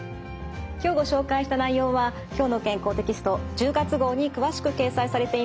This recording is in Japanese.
今日ご紹介した内容は「きょうの健康」テキスト１０月号に詳しく掲載されています。